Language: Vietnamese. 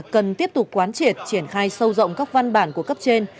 cần tiếp tục quán triệt triển khai sâu rộng các văn bản của cấp trên